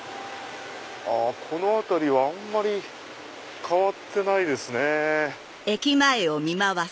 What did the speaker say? この辺りはあんまり変わってないですね。